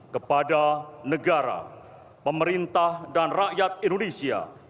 kepada negara pemerintah dan rakyat indonesia